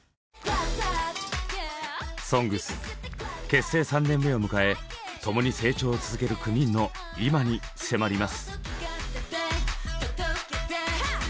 「ＳＯＮＧＳ」結成３年目を迎え共に成長を続ける９人のいまに迫ります。